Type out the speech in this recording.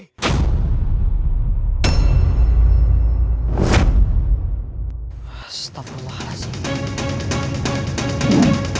apakah semoga buscar tuhan bagi kamu